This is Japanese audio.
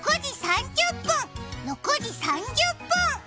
６時３０分！